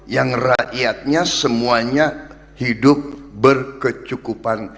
yang rakyatnya semuanya hidup berkecukupan